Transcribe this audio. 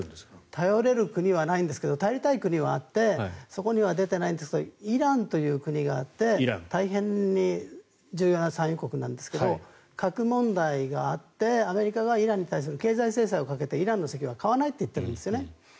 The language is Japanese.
頼れる国はないんですが頼りたい国はあってそこには出てないんですがイランという国があって大変に重要な産油国なんですが核問題があってアメリカがイランに対する経済制裁をかけてイランの石油は買わないと言っているんです。